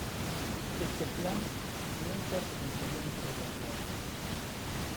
Este plan nunca se cumpliría en su totalidad.